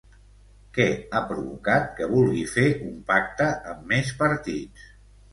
Què ha provocat que vulgui fer un pacte amb més partits?